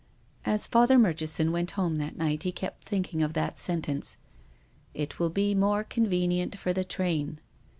As Father Murchison went home that night he kept thinking of that sentence :" It will be more convenient for the train."